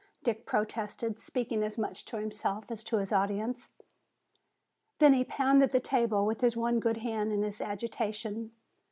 Dick protested, speaking as much to himself as his audience. Then he pounded the table with his one good hand in his agitation.